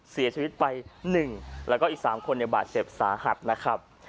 เสียชีวิตไปหนึ่งแล้วก็อีกสามคนในบาทเจ็บสาหัสนะครับ